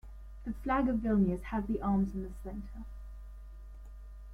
The flag of Vilnius has the arms in the centre.